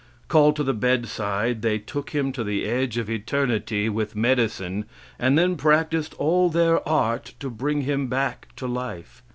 Called to the bedside, they took him to the edge of eternity with medicine, and then practiced all their art to bring him back to life.